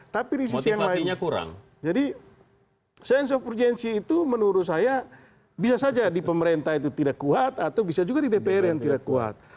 tapi di sisi yang lainnya kurang jadi sense of urgency itu menurut saya bisa saja di pemerintah itu tidak kuat atau bisa juga di dpr yang tidak kuat